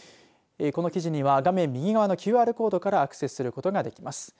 この記事には画面右側のＱＲコードからアクセスすることができます。